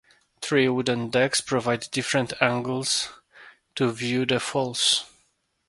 Three wooden decks provide different angles to view the falls.